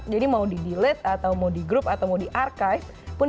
jadi mau di delete atau mau di group atau mau di archive